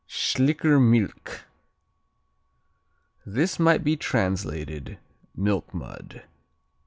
Schlickermilch This might be translated "milk mud."